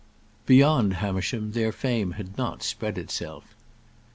Beyond Hamersham their fame had not spread itself.